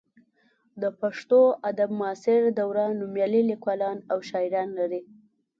د پښتو ادب معاصره دوره نومیالي لیکوالان او شاعران لري.